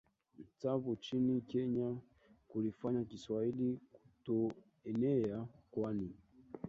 Tsavo nchini kenya kulifanya kiswahili kutoenea kwani